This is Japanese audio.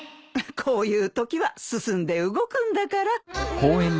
こういうときは進んで動くんだから。